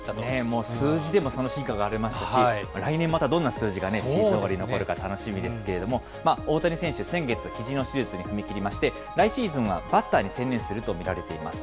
もう数字でもその真価が表れましたし、来年またどんな数字がシーズン終わりに残るか楽しみですけれども、大谷選手、先月ひじの手術に踏み切りまして、来シーズンはバッターに専念すると見られています。